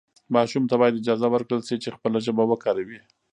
ماشوم ته باید اجازه ورکړل شي چې خپله ژبه وکاروي.